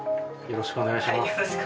よろしくお願いします。